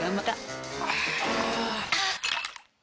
あっ。